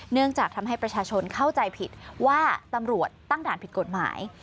เนื่องจากทำให้ประชาชนเข้าใจผิดว่าตำรวจตั้งด่านผิดกฎหมาย